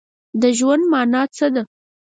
د ژوند مانا څه ده؟